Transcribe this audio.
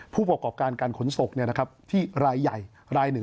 ผู้ประกอบการการขนศกที่รายใหญ่รายหนึ่ง